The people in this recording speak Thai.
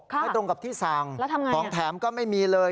ไม่ตรงกับที่สั่งของแถมก็ไม่มีเลย